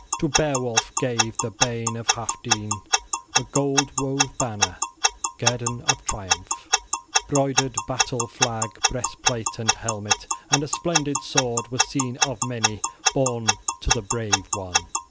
To Beowulf gave the bairn of Healfdene a gold wove banner, guerdon of triumph, broidered battle flag, breastplate and helmet; and a splendid sword was seen of many borne to the brave one.